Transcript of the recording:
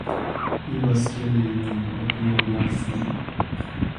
He was killed in an automobile accident.